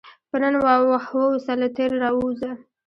په نن واوسه، له تېر راووځه.